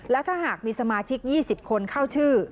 แล้วถ้าหากมีสมาชิก๒๐คนเข้าชื่อ